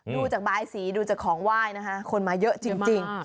ดูจากบายสีดูจากของไหว้นะคะคนมาเยอะจริง